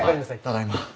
ただいま。